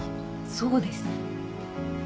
そうです。